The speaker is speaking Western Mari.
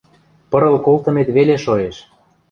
Пырыл колтымет веле шоэш.